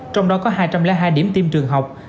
trong đó có hai trăm linh hai điểm tiêm trường học